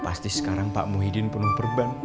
pasti sekarang pak muhyiddin penuh perban